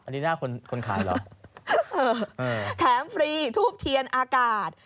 อันนี้หน้าคนคนขายเหรอแถมฟรีทูบเทียนอากาศ